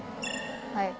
はい。